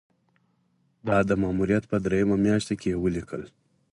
دا د ماموریت په دریمه میاشت کې یې ولیکل.